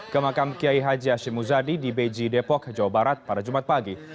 ke makam kiai haji hashim muzadi di beji depok jawa barat pada jumat pagi